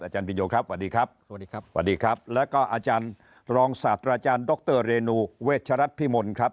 อาจารย์พินโยมครับวันนี้ครับแล้วก็อาจารย์รองศาสตร์อาจารย์ดรเรนูเวชรัฐพิมลครับ